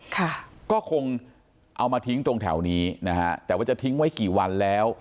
ค่ะก็คงเอามาทิ้งตรงแถวนี้นะฮะแต่ว่าจะทิ้งไว้กี่วันแล้ว